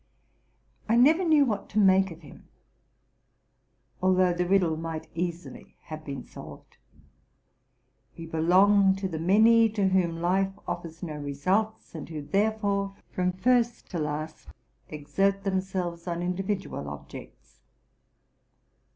I never knew what to make of him, although the riddle might easily have been solved. He belonged to the many to whom life offers no results, and who, therefore, from first to last, exert themselves on individual objects.